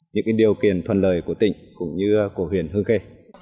những cái điều kiện thuần lời của tỉnh cũng như của huyện hương khê